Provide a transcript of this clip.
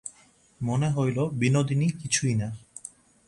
মনে হইল, বিনোদিনী কিছুই না।